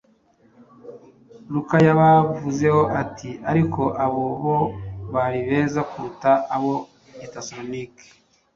Luka yabavuzeho ati: “Ariko abo bo bari beza kuruta abo i Tesalonike,